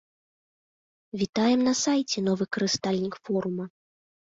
Вітаем на сайце, новы карыстальнік форума!